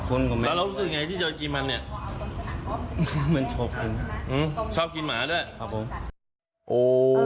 โอ้โห